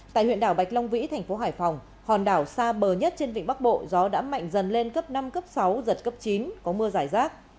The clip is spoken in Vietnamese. tại huyện đảo bạch long vĩ thành phố hải phòng hòn đảo xa bờ nhất trên vịnh bắc bộ gió đã mạnh dần lên cấp năm cấp sáu giật cấp chín có mưa giải rác